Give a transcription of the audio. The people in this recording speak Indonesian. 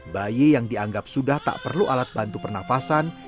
bayi yang dianggap sudah tak perlu alat bantu pernafasan